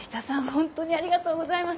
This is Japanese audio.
ホントにありがとうございます。